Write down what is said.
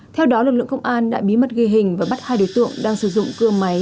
theo đó lực lượng công an đã bí mật ghi hình và bắt hai đối tượng đang sử dụng cưa máy